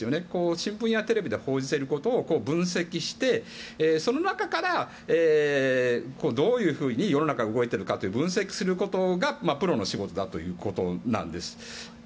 新聞やテレビで報じていることを分析してその中から、どういうふうに世の中が動いているかを分析をすることがプロの仕事だということなんです。